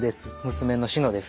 娘の美乃です。